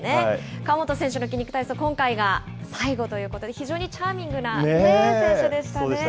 河本選手の筋肉体操、今回が最後ということで、非常にチャーミングな選手でしたね。